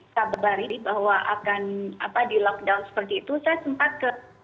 sabar bahwa akan apa di lockdown seperti itu saya sempat ke